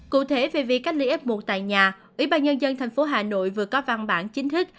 cụ thể về việc cách ly f một tại nhà ủy ban nhân dân tp hà nội vừa có văn bản chính thức